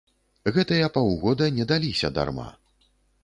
Гэтыя паўгода не даліся дарма.